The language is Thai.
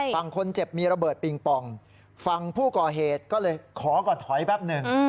ฝั่งคนเจ็บมีระเบิดปิงปองฝั่งผู้ก่อเหตุก็เลยขอก่อนถอยแป๊บหนึ่ง